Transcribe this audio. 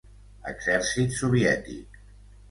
Exèrcit Soviètic.